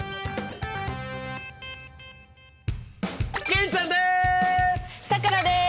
玄ちゃんです！